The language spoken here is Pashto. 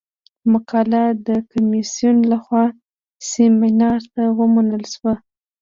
مقاله د کمیسیون له خوا سیمینار ته ومنل شوه.